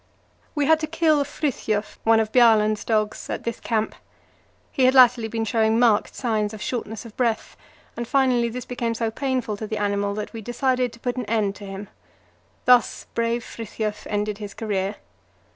We had to kill Frithjof, one of Bjaaland's dogs, at this camp. He had latterly been showing marked signs of shortness of breath, and finally this became so painful to the animal that we decided to put an end to him. Thus brave Frithjof ended his career.